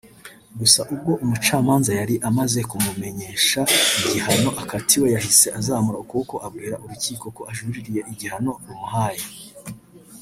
Gusa ubwo umucamanza yari amaze kumumenyesha igihano akatiwe yahise azamura akaboko abwira urukiko ko ajuririye igihano rumuhaye